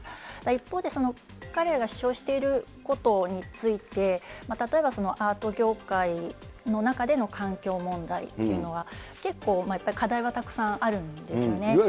一方で、彼らが主張していることについて、例えばアート業界の中での環境問題というのが、結構やっぱり、課題はたくさんあるんですよね。